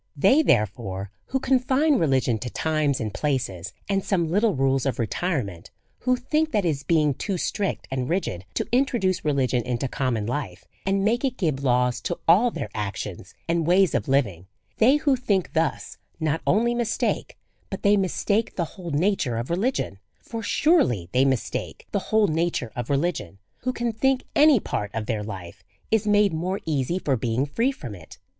They, therefore, who confine religion to times and places, and some little rules of re tirement, who think that it is being too strict and rigid to introduce religion into common life, and make it give laws to all their actions and ways of living, they who think thus not only mistake, but they mistake the whole nature of religion ; for surely they mistake the whole nature of religion who can think any part of their life is made more easy for being free from it.